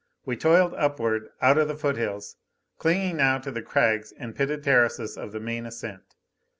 We toiled upward, out of the foothills, clinging now to the crags and pitted terraces of the main ascent.